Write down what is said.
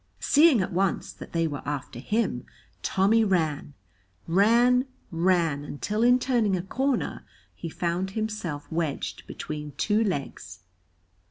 Seeing at once that they were after him, Tommy ran, ran, ran until in turning a corner he found himself wedged between two legs.